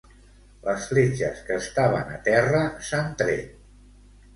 Les fletxes que estaven a terra s'han tret.